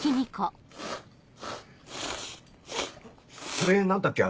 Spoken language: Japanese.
それ何だっけ？